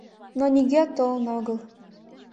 Но нигӧат толын огыл.